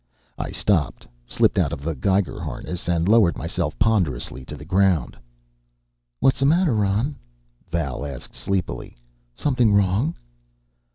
I stopped, slipped out of the geiger harness, and lowered myself ponderously to the ground. "What'samatter, Ron?" Val asked sleepily. "Something wrong?"